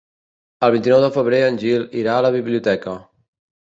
El vint-i-nou de febrer en Gil irà a la biblioteca.